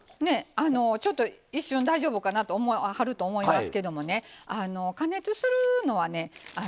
一瞬、大丈夫かなと思わはると思いますけど加熱するのはね